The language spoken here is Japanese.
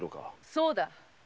そうだ。